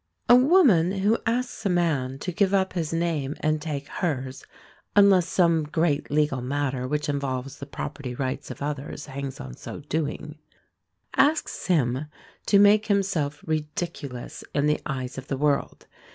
Any woman who asks a man to give up his name and take hers (unless some great legal matter which involves the property rights of others hangs on so doing) asks him to make himself ridiculous in the eyes of the world.